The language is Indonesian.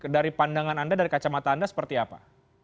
dari pandangan anda dari kacamata anda seperti apa